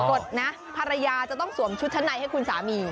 กดนะภรรยาจะต้องสวมชุดชั้นในให้คุณสามี